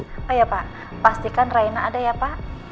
oh iya pak pastikan raina ada ya pak